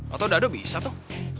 atau dado bisa tuh